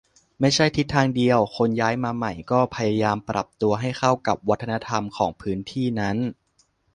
ไม่ใช่ทิศทางเดียว คนย้ายมาใหม่ก็พยายามปรับตัวให้เข้ากับวัฒนธรรมของพื้นที่นั้น